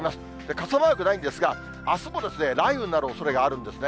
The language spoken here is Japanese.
傘マークないんですが、あすも雷雨になるおそれがあるんですね。